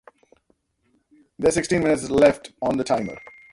There's sixteen minutes left on the timer.